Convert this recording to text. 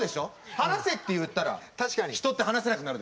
話せって言ったら人って話せなくなるでしょ！